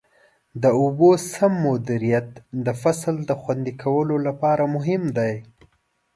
د اوبو سم مدیریت د فصل د خوندي کولو لپاره مهم دی.